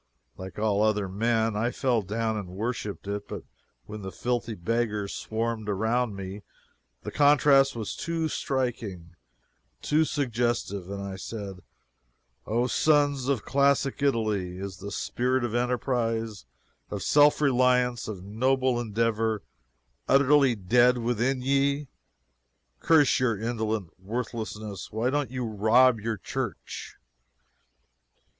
Like all other men, I fell down and worshipped it, but when the filthy beggars swarmed around me the contrast was too striking, too suggestive, and I said, "O, sons of classic Italy, is the spirit of enterprise, of self reliance, of noble endeavor, utterly dead within ye? Curse your indolent worthlessness, why don't you rob your church?"